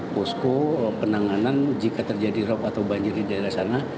posko penanganan jika terjadi rop atau banjir di daerah sana